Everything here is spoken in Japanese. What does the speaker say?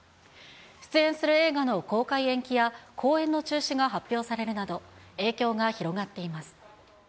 出演する映画の公開延期や公演の中止が発表されるなど、影響が広がっています。